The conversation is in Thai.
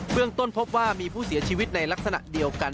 เรื่องต้นพบว่ามีผู้เสียชีวิตในลักษณะเดียวกัน